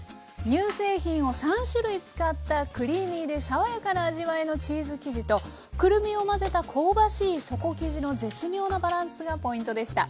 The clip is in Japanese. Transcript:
乳製品を３種類使ったクリーミーで爽やかな味わいのチーズ生地とくるみを混ぜた香ばしい底生地の絶妙なバランスがポイントでした。